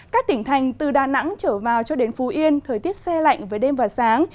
các tỉnh thành từ đà nẵng trở vào cho đến phú yên thời tiết xe lạnh với đêm và sáng